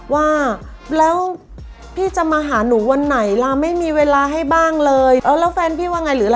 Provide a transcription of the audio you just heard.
ว่าแล้วพี่จะมาหาหนูวันไหนล่ะไม่มีเวลาให้บ้างเลยเออแล้วแฟนพี่ว่าไงหรืออะไร